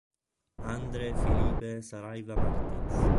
André Filipe Saraiva Martins